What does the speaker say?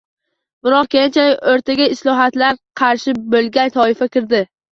Biroq keyinchalik o‘rtaga islohotlarga qarshi bo‘lgan toifa kiradi